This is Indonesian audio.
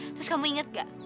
terus kamu inget nggak